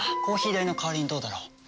コーヒー代の代わりにどうだろう？